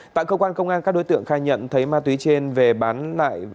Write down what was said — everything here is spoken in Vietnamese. tại cơ quan công an các đối tượng khai nhận thấy ma túy trên về bán lại